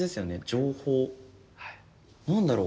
情報何だろう？